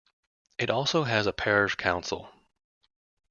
It also has a Parish Council.